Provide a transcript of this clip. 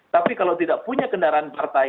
tapi kalau tidak punya kendaraan partai